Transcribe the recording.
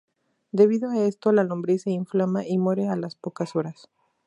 Debido a esto la lombriz se inflama y muere a las pocas horas.